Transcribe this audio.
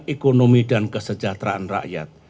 ekonomi dan kesejahteraan rakyat